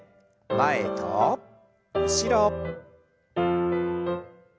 前と後ろ。